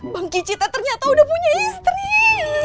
bang kicita ternyata udah punya istri